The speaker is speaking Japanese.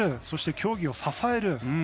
そして、競技を支える。